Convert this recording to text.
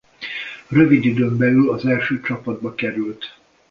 Rövid időn belül az első csapatba került.